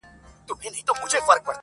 تلي مي سوځي په غرمو ولاړه یمه!!